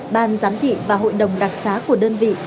ban giám thị và hội đồng đặc xá của đơn vị